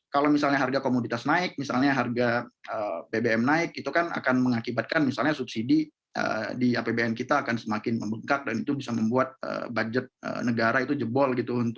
kalau misalnya harga komoditas naik misalnya harga bbm naik itu kan akan mengakibatkan misalnya subsidi di apbn kita akan semakin membengkak dan itu bisa membuat budget negara itu jebol gitu